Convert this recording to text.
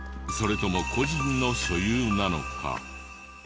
それとも個人の所有なのか？